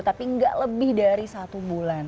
tapi nggak lebih dari satu bulan